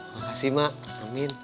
makasih mak amin